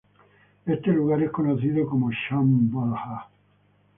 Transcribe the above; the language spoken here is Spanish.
Este lugar es conocido como Shambhala.